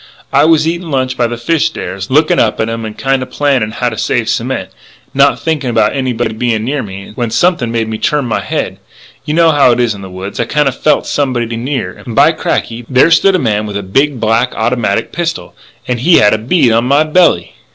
I was eating lunch by the fish stairs, looking up at 'em and kind of planning how to save cement, and not thinking about anybody being near me, when something made me turn my head.... You know how it is in the woods.... I kinda felt somebody near. And, by cracky! there stood a man with a big, black automatic pistol, and he had a bead on my belly.